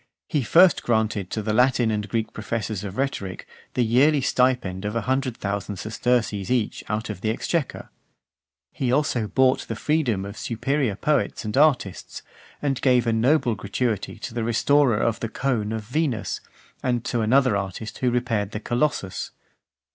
He first granted to the Latin and Greek professors of rhetoric the yearly stipend of a hundred thousand sesterces each out of the exchequer. He also bought the freedom of superior poets and artists , and gave a noble gratuity to the restorer of the Coan of Venus , and to another artist who repaired the Colossus .